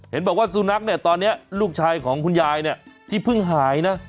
เห็นบอกว่าซูนักตอนนี้ลูกชายของคุณยายที่เพิ่งหายนะ